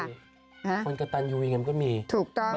คนกับตันอยู่อย่างนั้นก็มีถูกต้อง